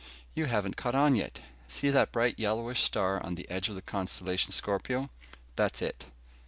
"You haven't caught on yet. See that bright yellowish star on the edge of the constellation Scorpio. That's it."